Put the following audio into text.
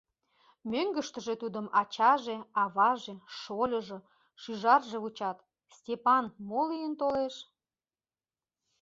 Мӧҥгыштыжӧ тудым ачаже, аваже, шольыжо, шӱжарже вучат Степан мо лийын толеш?